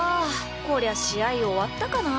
こりゃ試合終わったかな。